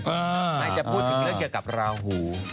ใครจะพูดถึงเรื่องเกี่ยวกับราหู